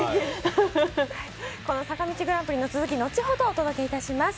坂道グランプリの続きは後ほどお届けします。